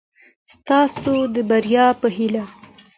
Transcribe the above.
ستاسو د بري په هېله